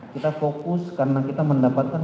kita fokus karena kita mendapatkan